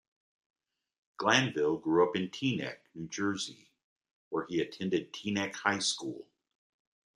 Glanville grew up in Teaneck, New Jersey, where he attended Teaneck High School.